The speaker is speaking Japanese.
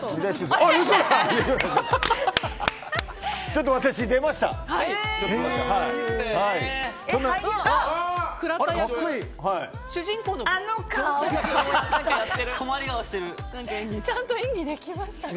ちょっと私、出ました。